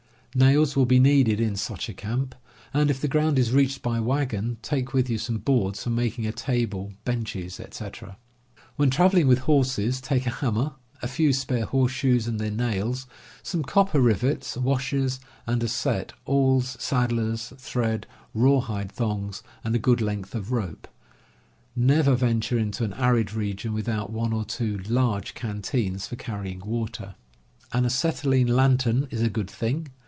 Nails will be needed in such a camp; and, if the ground is reached by wagon, take with you some boards for making a table, benches, etc. When traveling with horses, take a hammer, a few spare horseshoes and their nails, some copper rivets, washers, and a set, awls, saddler's thread, rawhide thongs, and a good length of rope. Never venture into an arid region without one or two large canteens for carrying water. An acetylene lantern is a good thing.